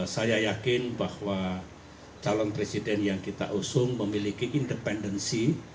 saya yakin bahwa calon presiden yang kita usung memiliki independensi